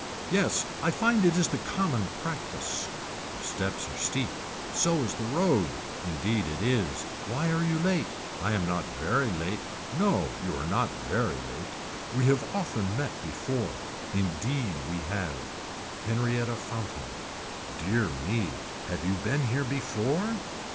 Yes I find it is the common practice. The steps are steep. So is the road. Indeed it is. Why are you late. I am not very late. No you are not very late. We have often met before. Indeed we have. Henrietta Fountain. Dear me have you been here before.